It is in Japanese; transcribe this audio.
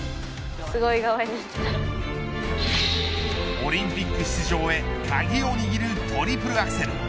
オリンピック出場へ鍵を握るトリプルアクセル。